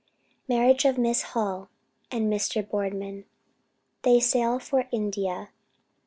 MARRIAGE OF MISS HALL AND MR. BOARDMAN. THEY SAIL FOR INDIA.